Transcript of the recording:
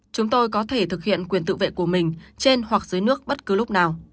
chúng tôi có thể thực hiện quyền tự vệ của mình trên hoặc dưới nước bất cứ lúc nào